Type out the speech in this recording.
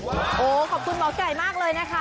โอ้โหขอบคุณหมอไก่มากเลยนะคะ